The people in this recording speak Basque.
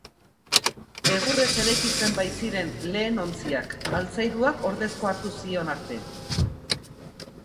Egurrez eraikitzen baitziren lehen ontziak, altzairuak ordezkoa hartu zion arte.